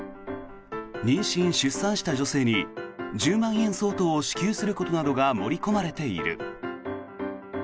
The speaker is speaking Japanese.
妊娠・出産した女性に１０万円相当を支給することなどが盛り込まれている。